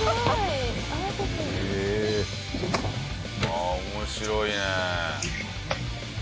ああ面白いね。